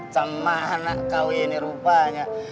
sama anak kau ini rupanya